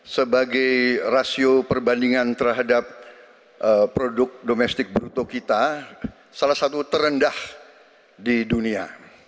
sebagai rasio perbandingan terhadap produk domestik bruto kita salah satu terendah di dunia